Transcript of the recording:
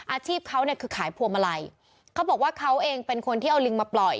อาชีพเขาเนี่ยคือขายพวงมาลัยเขาบอกว่าเขาเองเป็นคนที่เอาลิงมาปล่อย